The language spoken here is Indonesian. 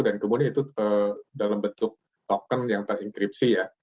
dan kemudian itu dalam bentuk token yang terinskripsi ya